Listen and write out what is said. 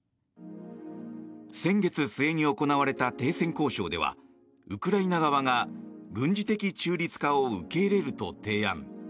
先月末に行われた停戦交渉ではウクライナ側が軍事的中立化を受け入れると提案。